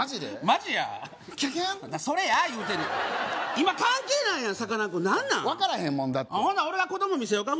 マジやキュキュンそれや言うてんねん今関係ないやんさかなクン分からへんもんだってほな俺が子供見せよか？